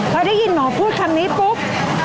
พอได้ยินหมอพูดคำนี้ปุ๊บ